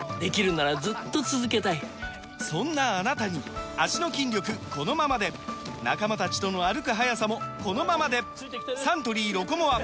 そんなあなたに脚の筋力このままで仲間たちとの歩く速さもこのままでサントリー「ロコモア」！